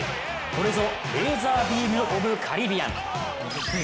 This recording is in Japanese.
これぞレーザービーム・オブ・カリビアン。